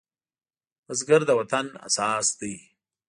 بزګر د وطن اساس دی